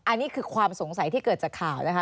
อันนี้คือความสงสัยที่เกิดจากข่าวนะคะ